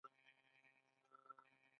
خیال د پوهې د پراختیا لامل کېږي.